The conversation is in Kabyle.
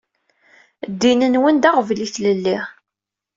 Ddin-nwen d aɣbel i tlelli.